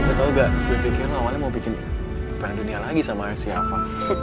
gak tau gak gue pikir lo awalnya mau bikin perang dunia lagi sama si ava